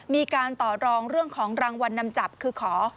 มีการต่อรองเรื่องของรางวัลนำจับคือขอ